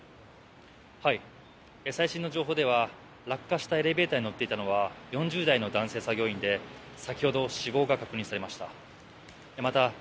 最新の情報では落下したエレベーターに乗っていたのは４０代の男性作業員で先ほど、死亡が確認されました。